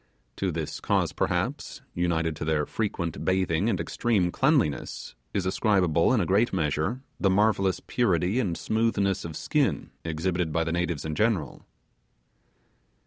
To this cause perhaps, united to their frequent bathing and extreme cleanliness, is ascribable, in a great measure, the marvellous purity and smoothness of skin exhibited by the natives in general.